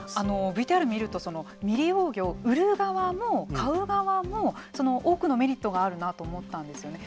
ＶＴＲを見ると未利用魚を売る側も買う側も多くのメリットがあるなと思ったんですよね。